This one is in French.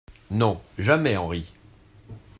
Non, jamais ! HENRI.